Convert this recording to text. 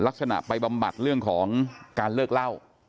ลักษณะไปบำบัดเรื่องของการเลิกเล่า